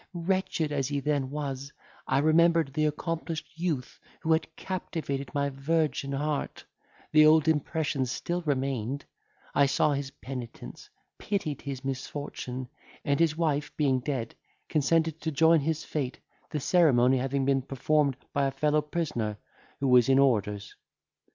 Wretched as he then was, I remembered the accomplished youth who had captivated my virgin heart, the old impressions still remained, I saw his penitence, pitied his misfortune, and his wife being dead, consented to join his fate, the ceremony having been performed by a fellow prisoner, who was in orders.